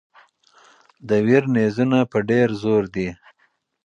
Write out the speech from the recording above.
د ویر نیزونه په ډېر زور دي.